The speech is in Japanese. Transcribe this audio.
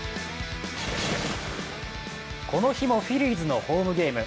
この日もフィリーズのホームゲーム。